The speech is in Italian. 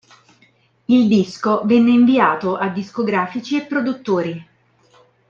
Il disco venne inviato a discografici e produttori.